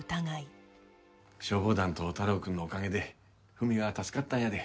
消防団と太郎くんのおかげでフミは助かったんやで。